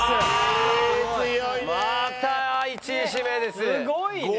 すごいね。